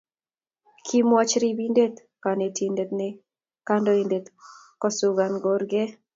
Kimwochi ribindet konetindet ne kandoinde kosakan kurke